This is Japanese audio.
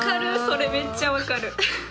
それめっちゃ分かる。